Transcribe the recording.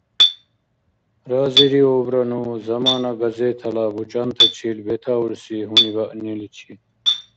Разириубра ну «Замана» газетала бучӀантачил бетаурси гьунибаъниличи.